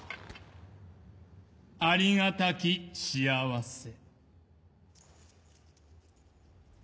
ありがたき幸せ。